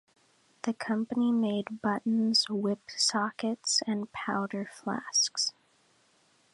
The company made buttons, whip sockets, and powder flasks.